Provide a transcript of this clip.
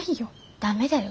駄目だよ。